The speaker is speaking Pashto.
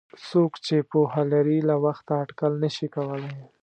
څوک چې پوهه لري له وخته اټکل نشي کولای.